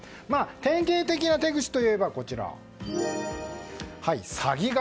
典型的な手口といえば詐欺型。